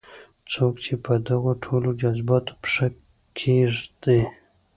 څوک چې په دغو ټولو جذباتو پښه کېږدي.